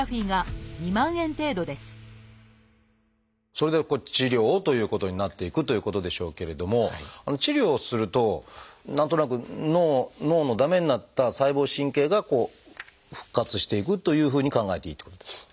それで治療をということになっていくということでしょうけれども治療をすると何となく脳の駄目になった細胞神経が復活していくというふうに考えていいっていうことですか？